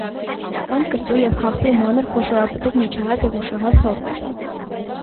Կան կծու և քաղցր, մանր, խոշորապտուղ, միջահաս և ուշահաս սորտեր։